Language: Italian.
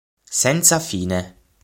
Senza fine